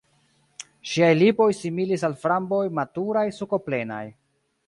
Ŝiaj lipoj similis al framboj, maturaj, sukoplenaj.